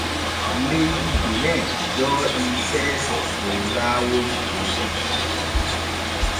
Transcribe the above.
Leydi Bene jooɗii seese dow laawol politiiki.